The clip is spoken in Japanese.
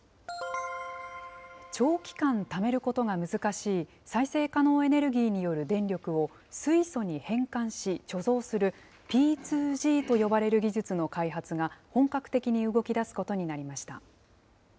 長期間ためることが難しい、再生可能エネルギーによる電力を水素に変換し貯蔵するＰ２Ｇと呼ばれる技術の開発が、本格的に動きだすことになりました。